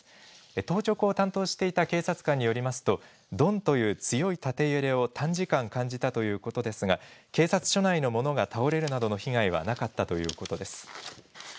当直を担当していた警察官によりますと、どんという強い縦揺れを短時間感じたということですが、警察署内のものが倒れるなどの被害はなかったということです。